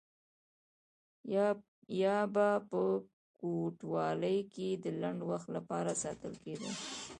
یا به په کوټوالۍ کې د لنډ وخت لپاره ساتل کېدل.